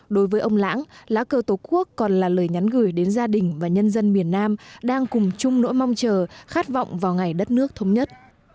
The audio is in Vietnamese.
đối với ông lãng lá cờ tổ quốc còn là lời nhắn gửi đến gia đình và nhân dân miền nam đang cùng chung nỗi mong chờ khát vọng vào ngày đất nước thống nhất